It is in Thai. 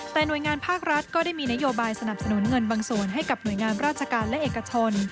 แต่หน่วยงานภาครัฐก็ได้มีนโยบายสนับสนุนเงินบางส่วนให้กับหน่วยงานราชการและเอกชน